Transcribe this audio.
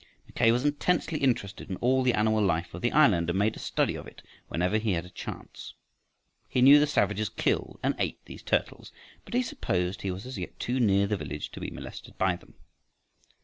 Mackay was intensely interested in all the animal life of the island and made a study of it whenever he had a chance. He knew the savages killed and ate these turtles, but he supposed he was as yet too near the village to be molested by them.